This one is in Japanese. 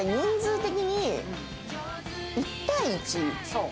そう。